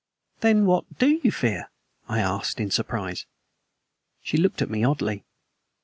"Then what do you fear?" I asked, in surprise. She looked at me oddly.